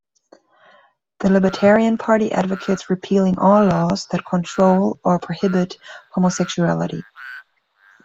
The Libertarian Party advocates repealing all laws that control or prohibit homosexuality.